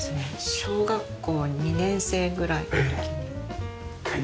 小学校２年生ぐらいの時に。